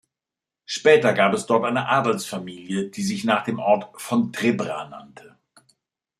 Später gab es dort eine Adelsfamilie, die sich nach dem Ort "von Trebra" nannte.